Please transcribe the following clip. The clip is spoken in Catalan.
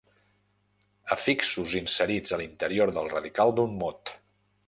Afixos inserits a l'interior del radical d'un mot.